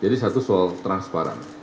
jadi satu soal transparan